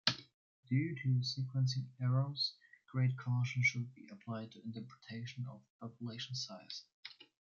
Due to sequencing errors, great caution should be applied to interpretation of population size.